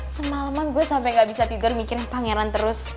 semaleman gue sampe gak bisa tidur mikirin pangeran terus